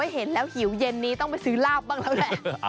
เห็นแล้วหิวเย็นนี้ต้องไปซื้อลาบบ้างแล้วแหละ